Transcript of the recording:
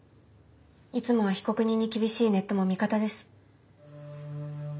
いつもは被告人に厳しいネットも味方です。